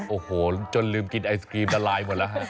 โอ้โหจนลืมกินไอศกรีมละลายหมดแล้วฮะ